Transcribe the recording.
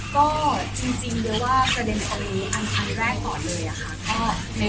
ก็จริงเบลว่าประเด็นตอนนี้อันครั้งแรกก่อนเลยอะค่ะ